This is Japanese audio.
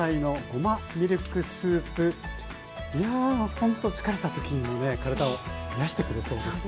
ほんと疲れた時にもね体を癒やしてくれそうですね。